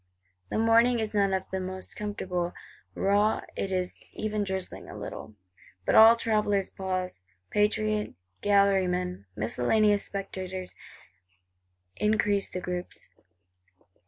The morning is none of the comfortablest: raw; it is even drizzling a little. But all travellers pause; patriot gallery men, miscellaneous spectators increase the groups.